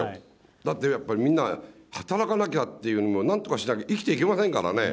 だってやっぱり、みんな働かなきゃっていうのも、なんとかしなきゃ生きていけませんからね。